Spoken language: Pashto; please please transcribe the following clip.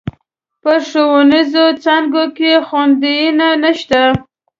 په ښوونيزو څانګو کې خونديينه نشته.